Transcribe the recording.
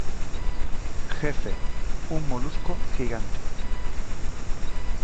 Jefe: Un molusco gigante.